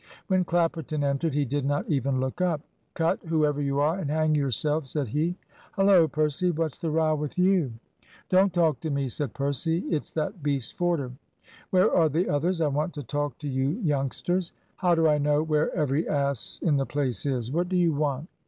When Clapperton entered, he did not even look up. "Cut, whoever you are, and hang yourself," said he. "Hullo, Percy! What's the row with you?" "Don't talk to me," said Percy. "It's that beast Forder." "Where are the others? I want to talk to you youngsters." "How do I know where every ass in the place is? What do you want?"